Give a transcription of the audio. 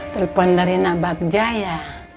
telepon dari nabagja ya